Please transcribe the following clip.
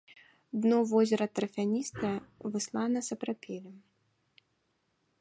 Дно возера тарфяністае, выслана сапрапелем.